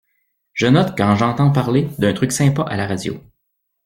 Je note quand j’entends parler d’un truc sympa à la radio.